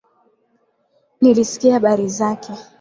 Nilisikia habari zake.